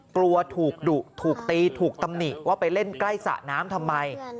กลัวถูกดุถูกตีถูกตำหนิว่าไปเล่นใกล้สระน้ำทำไม